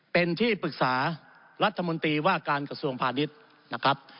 เป็นที่ปรึกษารัฐมนตรีว่าการกระทรวงพาณิชย์นะครับ